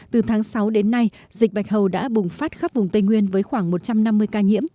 từ tháng sáu đến nay dịch bạch hầu đã bùng phát khắp vùng tây nguyên với khoảng một trăm năm mươi ca nhiễm